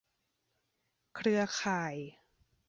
เครือข่าย